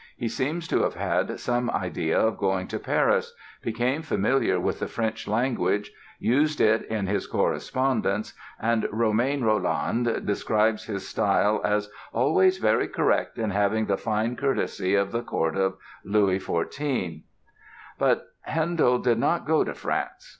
He seems to have had some idea of going to Paris, became familiar with the French language, used it in his correspondence and Romain Rolland describes his style as "always very correct and having the fine courtesy of the Court of Louis XIV." But Handel did not go to France.